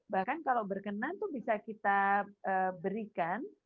bahkan kalau berkenan itu bisa kita berikan